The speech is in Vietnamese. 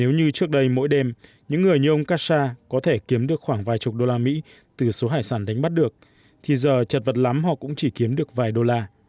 nếu như trước đây mỗi đêm những người như ông kasa có thể kiếm được khoảng vài chục đô la mỹ từ số hải sản đánh bắt được thì giờ chật vật lắm họ cũng chỉ kiếm được vài đô la